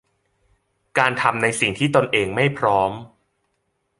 การทำในสิ่งที่ตนเองไม่พร้อม